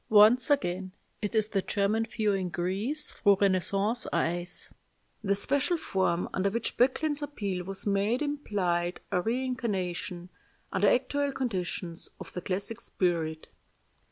Once again it is the German viewing Greece through Renaissance eyes. The special form under which Böcklin's appeal was made implied a reincarnation, under actual conditions, of the classic spirit.